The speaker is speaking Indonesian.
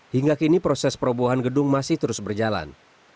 hingga kini proses perobohan gedung masih terus berjalan